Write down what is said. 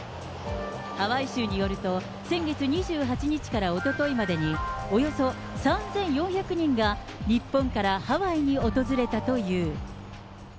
ハワイ州によると、先月２８日からおとといまでに、およそ３４００人が日本からハワイに訪れたという。